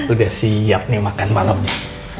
udah siap nih makan malamnya